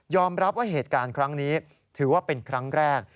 รับว่าเหตุการณ์ครั้งนี้ถือว่าเป็นครั้งแรก